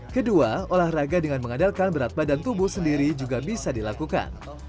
kedua olahraga dengan mengandalkan berat badan tubuh sendiri juga bisa dilakukan